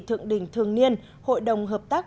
thượng đỉnh thường niên hội đồng hợp tác